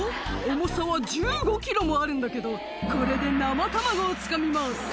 重さは１５キロもあるんだけど、これで生卵をつかみます。